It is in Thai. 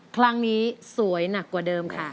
ครั้งนี้สวยหนักกว่าเดิมค่ะ